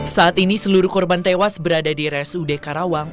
saat ini seluruh korban tewas berada di rsud karawang